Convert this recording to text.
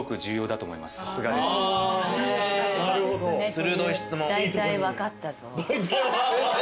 鋭い質問。